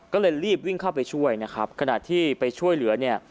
ก็เลยรีบวิ่งเข้าไปช่วยนะครับขณะที่ไปช่วยเหลือเนี่ย